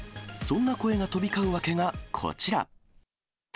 そんな声が飛び交う訳がこちら。